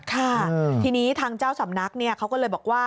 ค่ะทีนี้ทางเจ้าสำนักเขาก็เลยบอกว่า